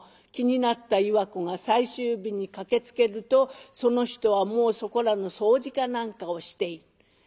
気になった岩子が最終日に駆けつけるとその人はもうそこらの掃除か何かをしている。